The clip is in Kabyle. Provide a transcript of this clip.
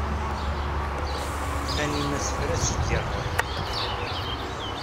Taninna tefra-tt-id deg ṛṛay.